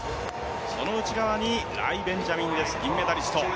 その内側にライ・ベンジャミンです、銀メダリスト。